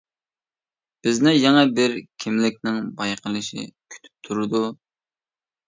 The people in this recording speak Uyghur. بىزنى يېڭى بىر كىملىكنىڭ بايقىلىشى كۈتۈپ تۇرىدۇ.